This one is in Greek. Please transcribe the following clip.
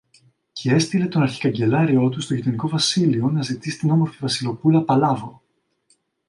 Κι έστειλε τον αρχικαγκελάριό του στο γειτονικό βασίλειο, να ζητήσει την όμορφη Βασιλοπούλα Παλάβω